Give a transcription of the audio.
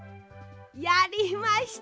やりました！